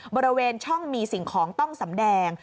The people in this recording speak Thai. บริเวณช่องมีสิ่งของต้องสำแดง